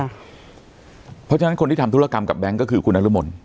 เพราะฉะนั้นคนที่ทำธุรกรรมกับแบงค์ก็คือคุณนรมน